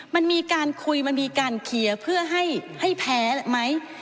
มันมีการคุยมันมีการเคลียร์เพื่อให้แพ้ไหม